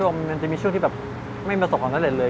มันจะมีช่วงที่แบบไม่ประสบความสำเร็จเลย